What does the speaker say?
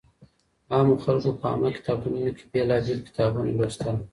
عامو خلګو په عامه کتابتونونو کي بېلابېل کتابونه لوستل.